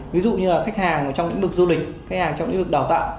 ví dụ như là khách hàng trong lĩnh vực du lịch khách hàng trong lĩnh vực đào tạo